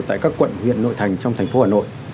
tại các quận huyện nội thành trong thành phố hà nội